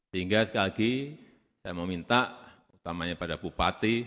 sehingga sekali lagi saya meminta utamanya pada bupati gubernur